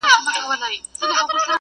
زه به درسمه په لپه منګی ورو ورو ډکومه٫